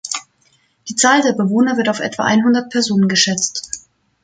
Die Zahl der Bewohner wird auf etwa einhundert Personen geschätzt.